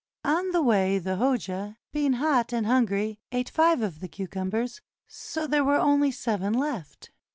On the way the Hoja, being hot and hungry, eat five of the cucumbers, so there were only seven left.